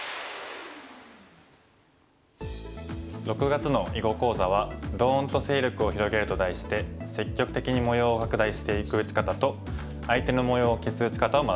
６月の囲碁講座は「ドーンと勢力を広げる」と題して積極的に模様を拡大していく打ち方と相手の模様を消す打ち方を学びます。